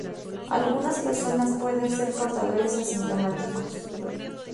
Algunas personas pueden ser portadores asintomáticos.